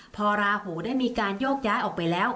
พอราหูได้มีการโยกย้ายออกไปแล้ว